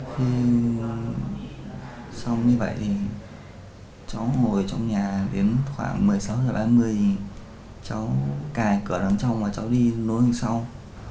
cháu vất xuống sông cháu vất xuống sông cháu vất xuống sông